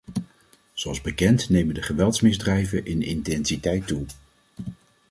Zoals bekend nemen de geweldmisdrijven in intensiteit toe.